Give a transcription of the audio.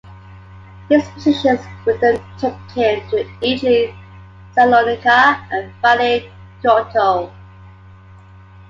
His positions with them took him to Italy, Salonika and finally Kyoto.